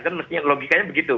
kan mestinya logikanya begitu